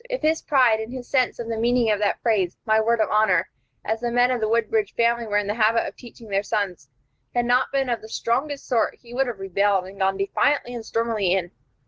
If his pride and his sense of the meaning of that phrase, "My word of honor," as the men of the Woodbridge family were in the habit of teaching their sons, had not both been of the strongest sort, he would have rebelled, and gone defiantly and stormily in.